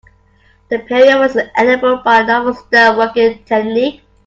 The period was enabled by novel stone working techniques.